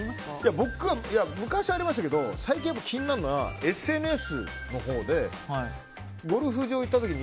僕は昔ありましたけど最近気になるのはＳＮＳのほうでゴルフ場に行った時に